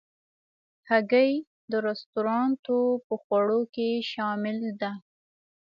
هګۍ د رستورانتو په خوړو کې شامل ده.